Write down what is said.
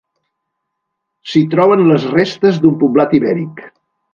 S'hi troben les restes d'un poblat ibèric.